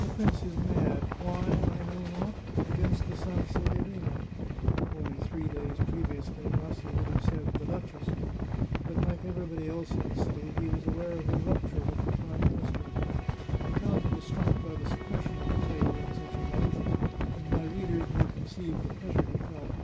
The prince is mad — why, I know not — against the Sanseverina " (only three days previously Rassi would have said " the duchess," but, like everybody else in the city, he was aware of her rupture with the Prime Min ister). The count was struck by the suppression of the title in such a mouth, and my readers may conceive the pleasure he felt